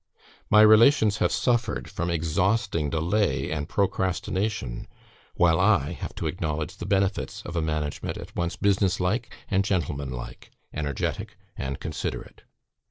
... My relations have suffered from exhausting delay and procrastination, while I have to acknowledge the benefits of a management at once business like and gentleman like, energetic and considerate.